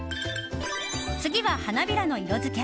次は花びらの色づけ。